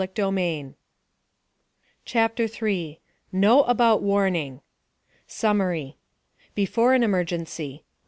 CHAPTER 3 KNOW ABOUT WARNING SUMMARY BEFORE AN EMERGENCY 1.